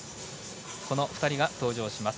この２人が登場します。